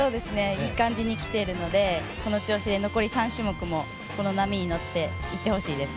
いい感じにきてるので、この調子で残り３種目もこの波に乗っていってほしいです。